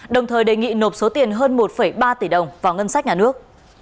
đồng thời đề nghị nộp số tiền hơn một ba tỷ đồng vào ngân sách nhà nước